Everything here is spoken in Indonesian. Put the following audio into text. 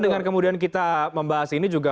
dengan kemudian kita membahas ini juga